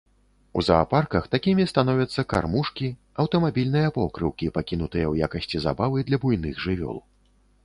У заапарках такімі становяцца кармушкі, аўтамабільныя покрыўкі, пакінутыя ў якасці забавы для буйных жывёл.